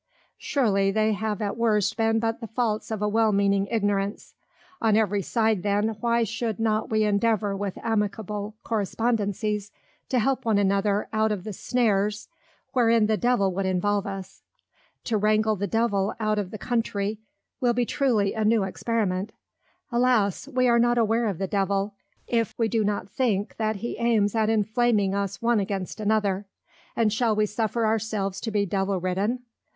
Surely, they have at worst been but the faults of a well meaning Ignorance. On every side then, why should not we endeavour with amicable Correspondencies, to help one another out of the Snares wherein the Devil would involve us? To wrangle the Devil out of the Country, will be truly a New Experiment: Alas! we are not aware of the Devil, if we do not think, that he aims at inflaming us one against another; and shall we suffer our selves to be Devil ridden?